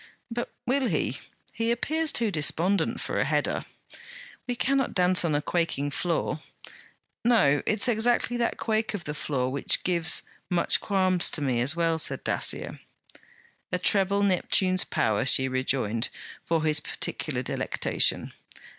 'But will he? He appears too despondent for a header.' 'We cannot dance on a quaking floor.' 'No; it 's exactly that quake of the floor which gives "much qualms," to me as well,' said Dacier. 'A treble Neptune's power!' she rejoined, for his particular delectation.